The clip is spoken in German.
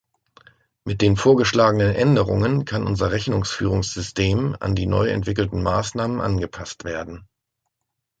Mit den vorgeschlagenen Änderungen kann unser Rechnungsführungssystem an die neu entwickelten Maßnahmen angepasst werden.